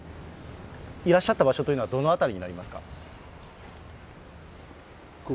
いらっしゃった場所というのは、どの辺りになりますか。